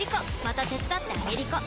また手伝ってあげりこ！